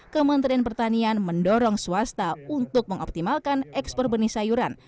kementerian pertanian mendorong swasta untuk mengoptimalkan ekspor benih sayuran